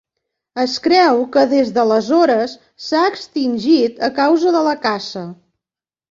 Es creu que des d'aleshores s'ha extingit a causa de la caça.